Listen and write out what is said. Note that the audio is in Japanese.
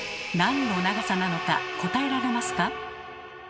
なんの長さなのか答えられますか？